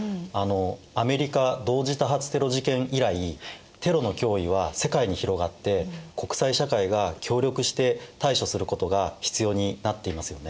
アメリカ同時多発テロ事件以来テロの脅威は世界に広がって国際社会が協力して対処することが必要になっていますよね。